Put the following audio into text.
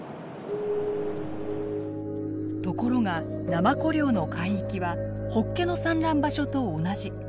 ところがナマコ漁の海域はホッケの産卵場所と同じ。